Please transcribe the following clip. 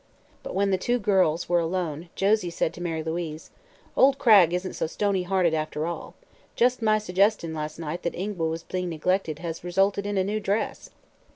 But when the two girls were alone Josie said to Mary Louise: "Old Cragg isn't so stony hearted, after all. Just my suggestion last night that Ingua was being neglected has resulted in the new dress."